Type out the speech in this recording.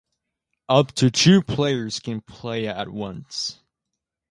Up to two players can play at once.